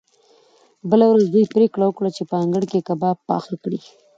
بله ورځ دوی پریکړه وکړه چې په انګړ کې کباب پخ کړي